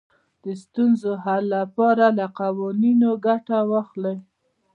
د ستونزو حل لپاره له قوانینو ګټه واخلئ.